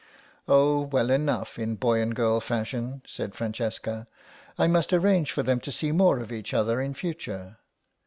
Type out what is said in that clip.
"Oh, well enough in boy and girl fashion," said Francesca. "I must arrange for them to see more of each other in future.